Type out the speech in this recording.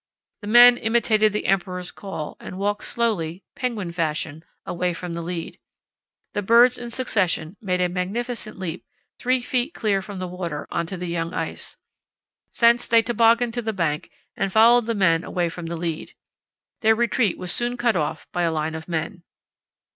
The men imitated the emperor's call and walked slowly, penguin fashion, away from the lead. The birds in succession made a magnificent leap 3 ft. clear from the water on to the young ice. Thence they tobogganed to the bank and followed the men away from the lead. Their retreat was soon cut off by a line of men.